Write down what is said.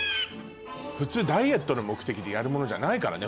普通ダイエットの目的でやるものじゃないからね。